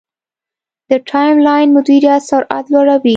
د ټایملاین مدیریت سرعت لوړوي.